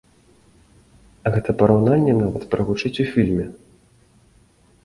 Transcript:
Гэта параўнанне нават прагучыць у фільме.